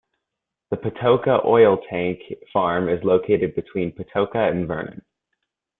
The Patoka oil tank farm is located between Patoka and Vernon.